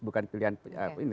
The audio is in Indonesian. bukan pilihan ini